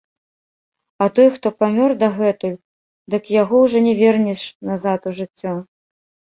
А той, хто памёр дагэтуль, дык яго ўжо не вернеш назад у жыццё.